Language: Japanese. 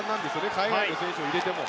海外の選手を入れても。